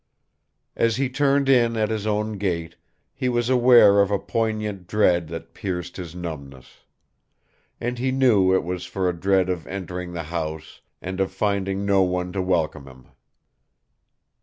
As he turned in at his own gate, he was aware of a poignant dread that pierced his numbness. And he knew it for a dread of entering the house and of finding no one to welcome him.